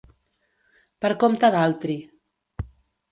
Per compte d'altri.